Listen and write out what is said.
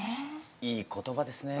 いい言葉ですね。